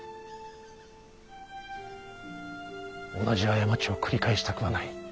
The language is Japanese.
同じ過ちを繰り返したくはない。